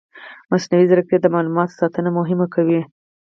مصنوعي ځیرکتیا د معلوماتو ساتنه مهمه کوي.